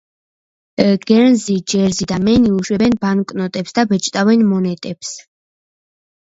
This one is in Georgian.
გერნზი, ჯერზი და მენი უშვებენ ბანკნოტებს და ბეჭდავენ მონეტებს.